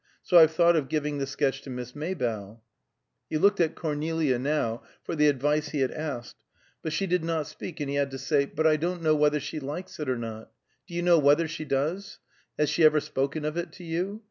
So I've thought of giving the sketch to Miss Maybough." He looked at Cornelia, now, for the advice he had asked, but she did not speak, and he had to say: "But I don't know whether she likes it or not. Do you know whether she does? Has she ever spoken of it to you?